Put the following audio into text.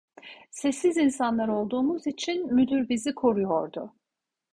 Sessiz insanlar olduğumuz için müdür bizi koruyordu.